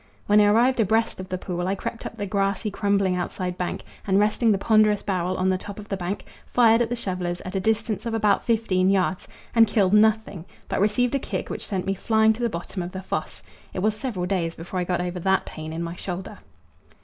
When I arrived abreast of the pool I crept up the grassy crumbling outside bank, and resting the ponderous barrel on the top of the bank, fired at the shovellers at a distance of about fifteen yards, and killed nothing, but received a kick which sent me flying to the bottom of the foss. It was several days before I got over that pain in my shoulder.